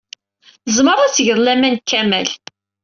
Tzemreḍ ad tgeḍ laman deg Kamal.